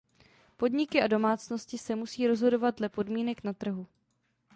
Podniky a domácnosti se musí rozhodovat dle podmínek na trhu.